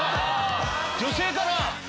女性かな？